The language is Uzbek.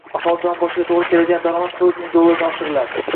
aholi jon boshiga to‘g‘ri keladigan daromad to'rt ming dollardan oshiriladi